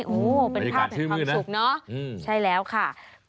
บริการชื่อมือนะใช่แล้วค่ะเป็นภาพแบบความสุข